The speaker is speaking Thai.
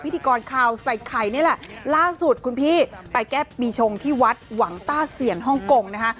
พิธีกรข่าวใส่ไข่นี่แหละล่าสุดคุณพี่ไปแก้ปีชงที่วัดหวังต้าเซียนฮ่องกงนะคะ